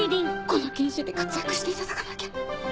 この研修で活躍していただかなきゃ。